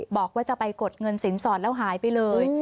บอกว่าจะไปกดเงินสินสอดแล้วหายไปเลย